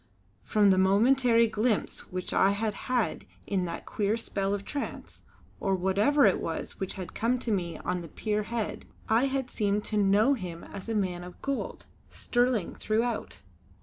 From the momentary glimpse which I had had in that queer spell of trance, or whatever it was which had come to me on the pier head, I had seemed to know him as a man of gold, sterling throughout.